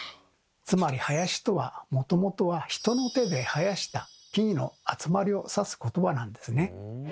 つまり「林」とはもともとは人の手で生やした木々の集まりを指すことばなんですね。